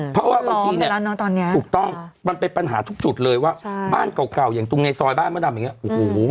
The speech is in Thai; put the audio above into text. เพราะว่าบางทีเนี่ยตอนนี้ถูกต้องมันเป็นปัญหาทุกจุดเลยว่าบ้านเก่าอย่างตรงในซอยบ้านมะดำอย่างนี้โอ้โห